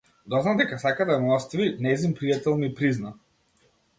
Дознав дека сака да ме остави, нејзин пријател ми призна.